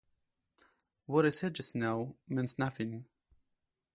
What I said just now, meant nothing.